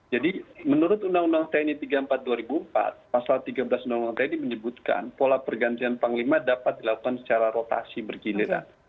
jadi menurut undang undang tni tiga puluh empat dua ribu empat pasal tiga belas undang undang tni menyebutkan pola pergantian panglima dapat dilakukan secara langsung